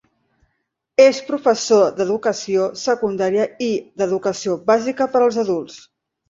És professor d'educació secundària i d'educació bàsica per a adults.